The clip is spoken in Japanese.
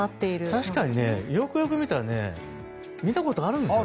確かに、よくよく見たら見たことあるんですよ。